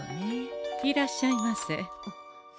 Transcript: いらっしゃいませ。